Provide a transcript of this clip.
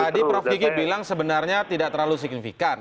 tadi prof kiki bilang sebenarnya tidak terlalu signifikan